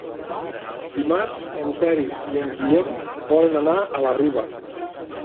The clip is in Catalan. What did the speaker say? Dimarts en Peris i en Guillem volen anar a la Riba.